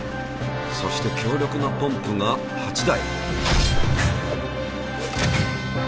そして強力なポンプが８台。